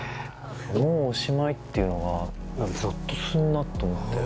「もうおしまい」っていうのがゾッとすんなと思って。